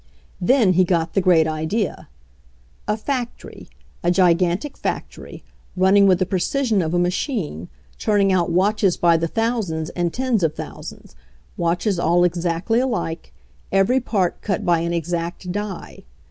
Then he got the great idea. A factory — a gi gantic factory, running with the precision of a machine, turning out watches by the thousands and tens of thousands — watches all exactly alike, every part cut by an exact die.